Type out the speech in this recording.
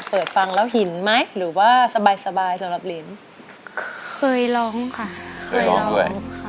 เปิดฟังแล้วหินไหมหรือว่าสบายสำหรับเลนส์เคยลองค่ะเคยลองด้วย